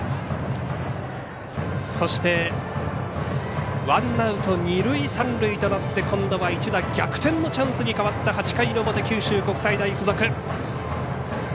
そしてワンアウト、二塁三塁となって今度は一打逆転のチャンスに変わった８回の表、九州国際大付属。